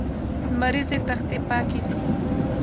لمریزې تختې پاکې دي.